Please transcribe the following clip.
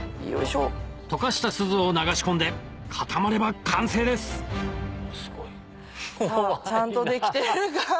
溶かした錫を流し込んで固まれば完成ですさぁちゃんとできてるか。